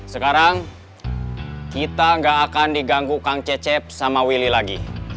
sekarang kita gak akan diganggu kang cecep sama willy lagi